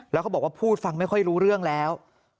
แล้วเขาบอกว่าพูดฟังไม่ค่อยรู้เรื่องแล้ว